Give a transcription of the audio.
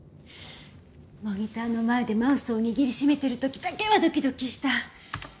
モニターの前でマウスを握り締めてる時だけはドキドキした。